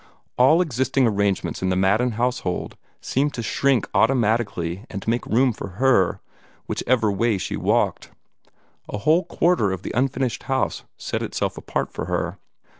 All existing arrangements in the Madden household seemed to shrink automatically and make room for her, whichever way she walked. A whole quarter of the unfinished house set itself apart for her.